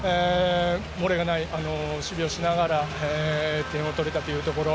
漏れがない守備をしながら点を取れたというところ。